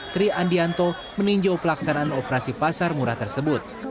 tri andianto meninjau pelaksanaan operasi pasar murah tersebut